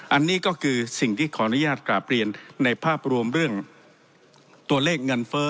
อันนี้ก็คือสิ่งที่ขออนุญาตกราบเรียนในภาพรวมเรื่องตัวเลขเงินเฟ้อ